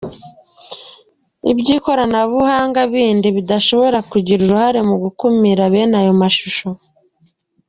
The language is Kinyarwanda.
by’ikoranabuhanga bindi bidashobora kugira uruhare mu gukumira bene aya mashusho